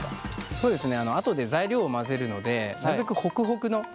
そうですね。